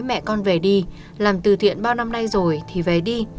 mẹ con về đi làm từ thiện bao năm nay rồi thì về đi